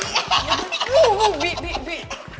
wuh bi bi bi